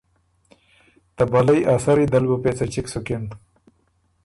ته بلئ ا سري دل بُو پېڅه چِګ سُکِن